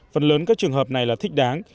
phần lớn các trường hợp này là thích đáng